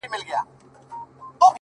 شېرینو نور له لسټوڼي نه مار باسه;